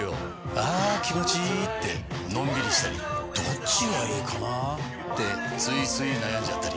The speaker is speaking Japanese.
あ気持ちいいってのんびりしたりどっちがいいかなってついつい悩んじゃったり。